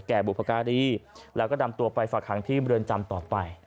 แก่บุภิการีแล้วก็ดำตัวไปฝากขังที่เบลินจำต่อไป